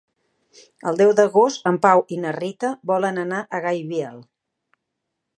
El deu d'agost en Pau i na Rita volen anar a Gaibiel.